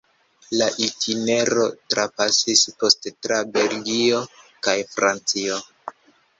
La itinero trapasis poste tra Belgio kaj Francio.